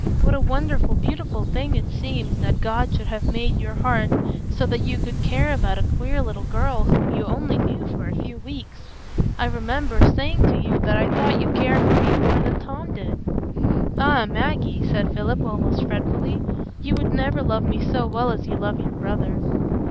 What a wonderful, beautiful thing it seems that God should have made your heart so that you could care about a queer little girl whom you only knew for a few weeks! I remember saying to you that I thought you cared for me more than Tom did." "Ah, Maggie," said Philip, almost fretfully, "you would never love me so well as you love your brother."